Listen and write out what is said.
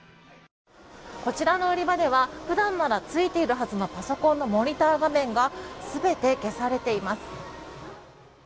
こちらの売り場では普段ならついているはずのパソコンのモニター画面が全て消されています。